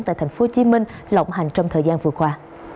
tại tp hcm lộng hành trong thời gian vừa qua